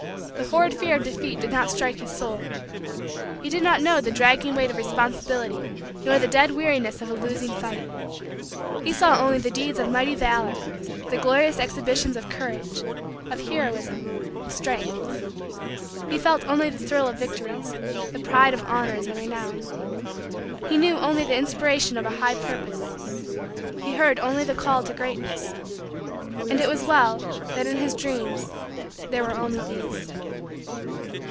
The horrid fear of defeat did not strike his soul. He did not know the dragging weight of responsibility nor the dead weariness of a losing fight. He saw only the deeds of mighty valor, the glorious exhibitions of courage, of heroism, of strength. He felt only the thrill of victories, the pride of honors and renown. He knew only the inspiration of a high purpose. He heard only the call to greatness. And it was well that in his Dreams there were only these.